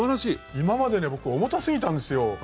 今までね僕重たすぎたんですよ。